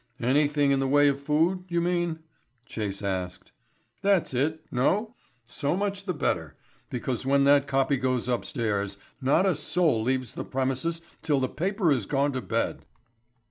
"Anything in the way of food, you mean?" Chase asked. "That's it. No? So much the better; because when that copy goes upstairs not a soul leaves the premises till the paper has gone to bed."